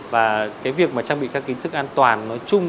và việc trang bị các kỹ thức an toàn nói chung